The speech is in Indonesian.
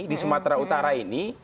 di sumatera utara ini